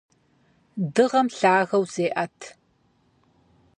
Дыгъэм лъагэу зеӀэт.